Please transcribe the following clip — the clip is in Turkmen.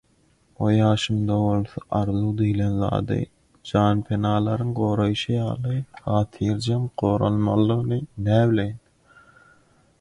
O ýaşymda bolsa arzuw diýlen zady, janpenalaryň goraýşy ýaly, hatyrjem goramalydygyny näbileýin?!